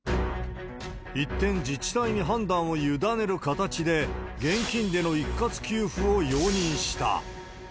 一転、自治体に判断を委ねる形で、現金での一括給付を容認した。